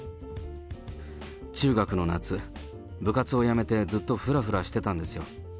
中学の夏、部活をやめてずっとふらふらしてたんですよ。